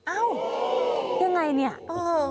อ้าวยังไงนี่โอ้โห